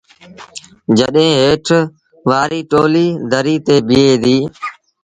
جڏهيݩ هيٺ وآريٚ ٽوليٚ دريٚ تي بيٚهي ديٚ۔